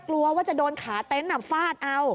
กลัวว่าจะโดนขาเต็นต์ฟาดเอา